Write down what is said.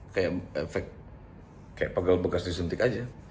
kayak efek kayak pegel bekas disuntik aja